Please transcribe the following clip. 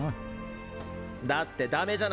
だってダメじゃないですか。